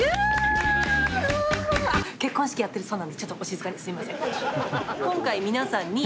あっ結婚式やってるそうなのでちょっとお静かにすみません。